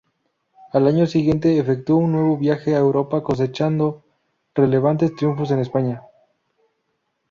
Al año siguiente, efectuó un nuevo viaje a Europa, cosechando relevantes triunfos en España.